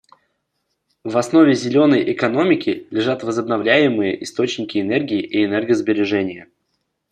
В основе «зеленой» экономики лежат возобновляемые источники энергии и энергосбережение.